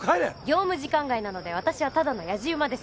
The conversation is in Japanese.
業務時間外なので私はただのやじ馬です。